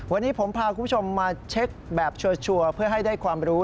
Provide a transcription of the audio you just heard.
วันนี้ผมพาคุณผู้ชมมาเช็คแบบชัวร์เพื่อให้ได้ความรู้